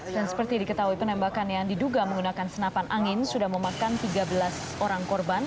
seperti diketahui penembakan yang diduga menggunakan senapan angin sudah memakan tiga belas orang korban